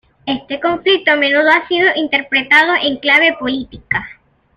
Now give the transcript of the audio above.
Este conflicto a menudo ha sido interpretado en clave política.